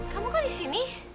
kamu kok disini